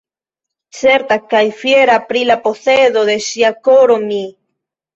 Certa kaj fiera pri la posedo de ŝia koro, mi.